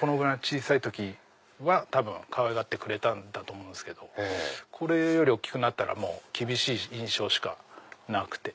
このぐらいの小さい時はかわいがってくれたと思うけどこれより大っきくなったら厳しい印象しかなくて。